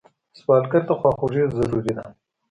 سوالګر ته خواخوږي ضروري ده